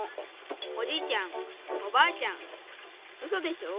おじいちゃんおばあちゃんウソでしょ？